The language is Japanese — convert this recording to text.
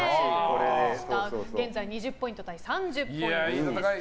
現在２０ポイント対３０ポイントです。